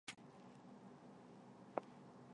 就决定买套票